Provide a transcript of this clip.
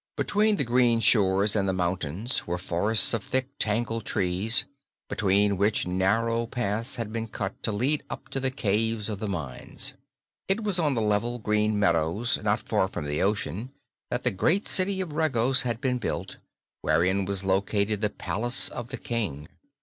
Between the green shores and the mountains were forests of thick, tangled trees, between which narrow paths had been cut to lead up to the caves of the mines. It was on the level green meadows, not far from the ocean, that the great City of Regos had been built, wherein was located the palace of the King.